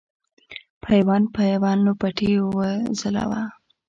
پیوند پیوند لوپټې وځلوه